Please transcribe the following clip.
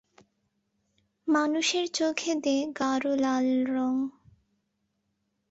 মানুষের চোখে দেয় গাঢ় লাল রঙ।